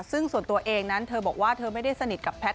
ซึ่งส่วนตัวเองนั้นเธอบอกว่าเธอไม่ได้สนิทกับแพทย